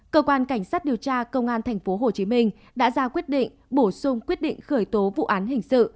cơ quan cảnh sát điều tra công an thành phố hồ chí minh đã ra quyết định bổ sung quyết định khởi tố vụ án hình sự